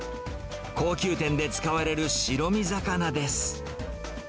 高級店で使われる白身魚です。